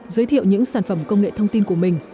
giới thiệu những sản phẩm công nghệ thông tin của mình